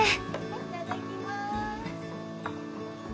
いただきます。